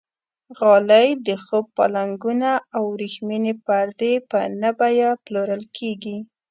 غالۍ، د خوب پالنګونه او وریښمینې پردې په نه بیه پلورل کېږي.